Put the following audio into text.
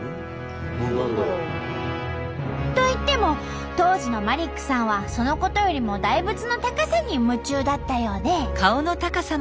何だろう？といっても当時のマリックさんはそのことよりも大仏の高さに夢中だったようで。